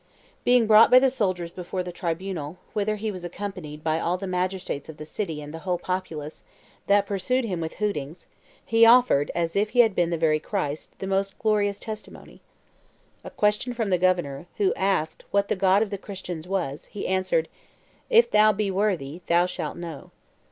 Being brought by the soldiers before the tribunal, whither he was accompanied by all the magistrates of the city and the whole populace, that pursued him with hootings, he offered, as if he had been the very Christ, the most glorious testimony. At a question from the governor, who asked what the God of the Christians was, he answered, 'If thou be worthy, thou shalt know.